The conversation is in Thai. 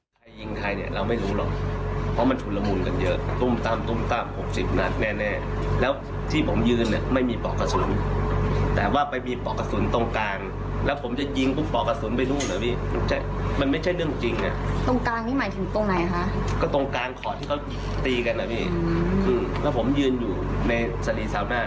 ผมยืนอยู่ในสรีเช้าหน้า